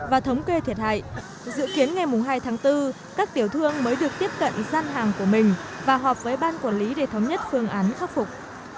và thống kê thiệt hại dự kiến ngày hai tháng bốn các tiểu thương mới được tiếp cận gian hàng của mình và họp với ban quản lý để thống nhất phương án khắc phục